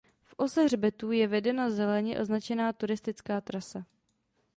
V ose hřbetů je vedena zeleně značená turistická trasa.